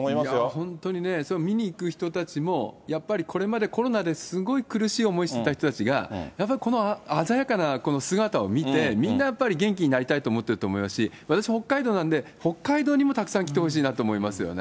本当にね、それを見に行く人たちも、やっぱりこれまでコロナですごい苦しい思いしてた人たちが、やっぱりこの鮮やかなこの姿を見て、みんなやっぱり元気になりたいと思ってると思いますし、私、北海道なんで、北海道にもたくさん来てほしいなと思いますよね。